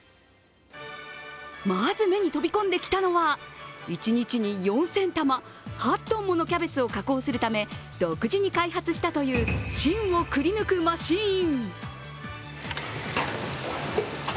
まず目に飛び込んできたのは、一日に４０００玉、８ｔものキャベツを加工するため独自に開発したという芯をくり抜くマシーン。